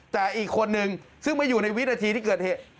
แต่อีกคนนึงซึ่งไม่อยู่ในวินาทีที่เกิดเหตุ